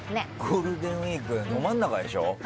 ゴールデンウィークど真ん中でしょ？